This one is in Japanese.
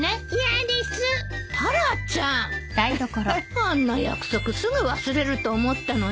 あんな約束すぐ忘れると思ったのに。